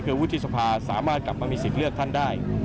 คือวุฒิสภาสามารถกลับมามีสิทธิ์เลือกท่านได้